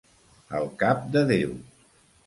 Al cap de Déu.